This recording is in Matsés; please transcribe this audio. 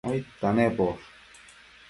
aidta nemposh?